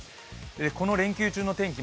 この連休中の天気